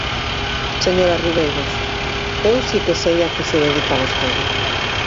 Señora Ribeiros, eu si que sei a que se dedica vostede.